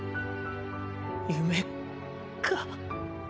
夢か。